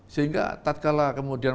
sehingga tatkala kemudian